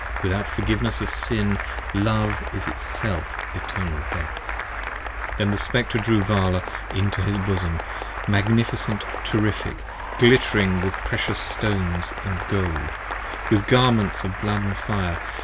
Without Forgiveness of Sin Love is Itself Eternal Death. 25 Then the Spectre drew Vala into his bosom, magnificent, terrific, Glittering with precious stones & gold, with Garments of blood & fire.